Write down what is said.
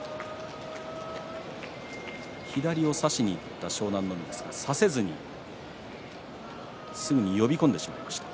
左を差しにいった湘南乃海ですが差せずにすぐに呼び込んでしまいました。